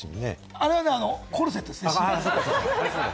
あれはコルセットですね。